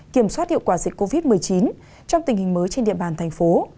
kiểm soát hiệu quả dịch covid một mươi chín trong tình hình mới trên địa bàn thành phố